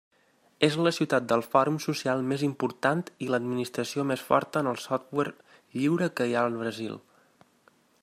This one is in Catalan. És la ciutat del fòrum social més important i l'Administració més forta en software lliure que hi ha al Brasil.